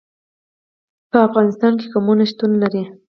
په افغانستان کې قومونه شتون لري.